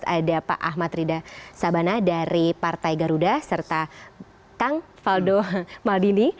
ada pak ahmad rida sabana dari partai garuda serta kang faldo maldini